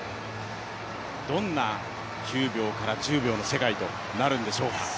どんな９秒から１０秒の世界となるんでしょうか。